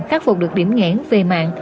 khắc phục được điểm nghẽn về mạng